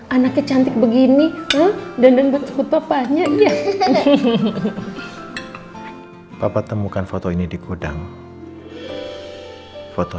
anaknya cantik begini dan dan betul betul apanya ya hahaha papa temukan foto ini di kudang foto